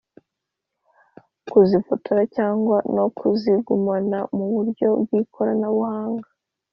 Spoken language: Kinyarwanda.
Kuzifotora cyangwa no kuzigumana muburyo bw’ikora buhanga